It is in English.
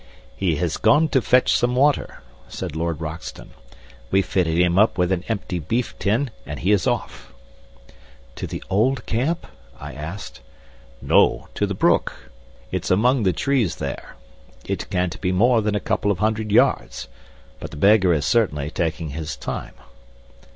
"He has gone to fetch some water," said Lord Roxton. "We fitted him up with an empty beef tin and he is off." "To the old camp?" I asked. "No, to the brook. It's among the trees there. It can't be more than a couple of hundred yards. But the beggar is certainly taking his time."